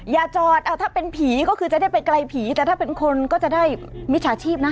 อย่าจอดถ้าเป็นผีก็คือจะได้ไปไกลผีแต่ถ้าเป็นคนก็จะได้มิจฉาชีพนะ